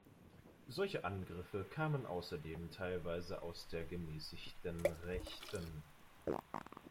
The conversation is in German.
Solche Angriffe kamen außerdem teilweise aus der gemäßigten Rechten.